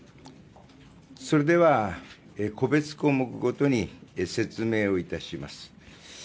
それでは個別項目ごとに説明をいたします。